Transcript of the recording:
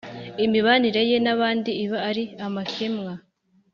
. Imibanire ye n’abandi iba ari amakemwa.